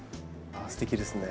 あすてきですね。